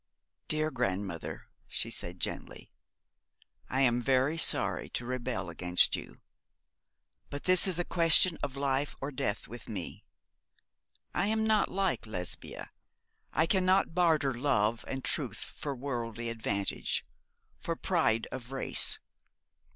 'Dear grandmother,' she said gently. 'I am very sorry to rebel against you. But this is a question of life or death with me. I am not like Lesbia. I cannot barter love and truth for worldly advantage for pride of race.